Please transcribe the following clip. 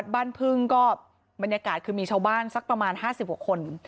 บ้านพึ่งก็บรรยากาศคือมีชาวบ้านสักประมาณ๕๐กว่าคน